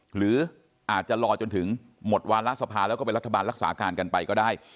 หรืออาจจะรอจนถึงหมดวาระสภาแล้วก็เป็นรัฐบาลรักษาการกันไปก็ได้